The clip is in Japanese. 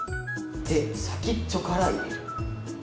で先っちょから入れる。